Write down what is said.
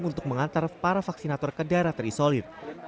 untuk mengantar para vaksinator ke daerah terisolir